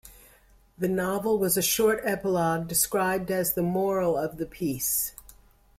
The novel has a short epilogue, described as the moral of the piece.